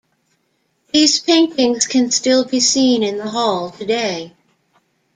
These paintings can still be seen in the Hall today.